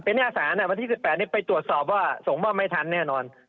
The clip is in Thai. เป็นหน้าศาลวันที่๑๘ไปตรวจสอบว่าส่งมอบไม่ทันแน่นอน